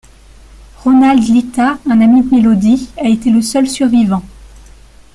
Ronald Lita, un ami de Melody, a été le seul survivant.